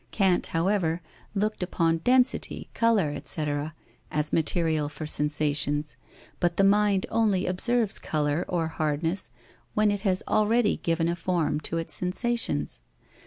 Kant, however, looked upon density, colour, etc., as material for sensations; but the mind only observes colour or hardness when it has already given a form to its sensations.